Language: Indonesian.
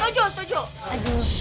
tujuh tujuh tujuh